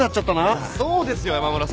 そうですよ山村さん。